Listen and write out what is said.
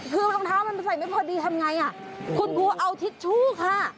คือรองเท้ามันใส่ไม่พอดีทำไงอ่ะคุณครูเอาทิชชู่ค่ะ